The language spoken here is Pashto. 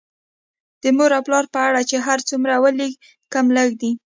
د مور او پلار په اړه چې هر څومره ولیکم لږ دي